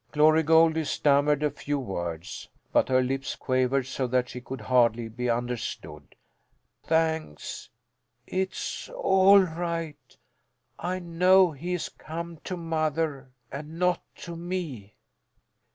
Glory Goldie stammered a few words, but her lips quavered so that she could hardly be understood. "Thanks. It's all right. I know he has come to mother, and not to me."